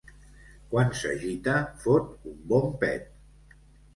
Quan s'agita fot un bon pet.